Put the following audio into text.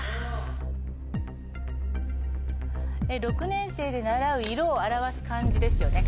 ６年生で習う色を表す漢字ですよね。